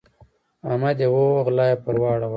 احمد يې وواهه؛ غلا يې پر واړوله.